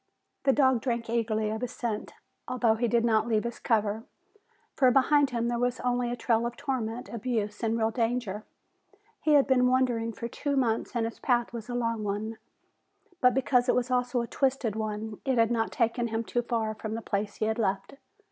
The dog drank eagerly of his scent, although he did not leave his cover, for behind him there was only a trail of torment, abuse and real danger. He had been wandering for two months and his path was a long one, but because it was also a twisted one it had not taken him too far from the place he had left.